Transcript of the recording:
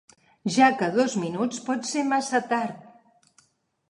Ja que dos minuts pot ser massa tard.